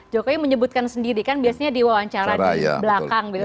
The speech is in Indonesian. jokowi menyebutkan sendiri kan biasanya diwawancara di belakang gitu